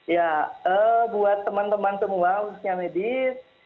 ya buat teman teman semua khususnya medis